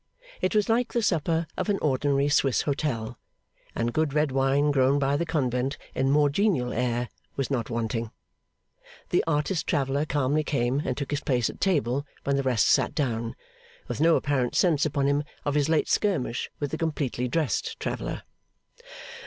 It was like the supper of an ordinary Swiss hotel, and good red wine grown by the convent in more genial air was not wanting. The artist traveller calmly came and took his place at table when the rest sat down, with no apparent sense upon him of his late skirmish with the completely dressed traveller.